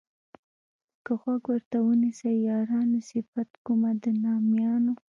که غوږ ورته ونیسئ یارانو صفت کومه د نامیانو.